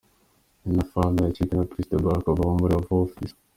Nina Pham yakirwa na Perezida Barack Obama muri Oval Office.